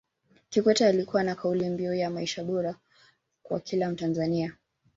Kikwete alikuwa na kauli mbiu ya maisha bora kwa kila mtanzania